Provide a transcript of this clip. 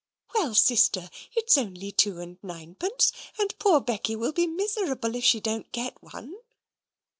"Well, sister, it's only two and ninepence, and poor Becky will be miserable if she don't get one."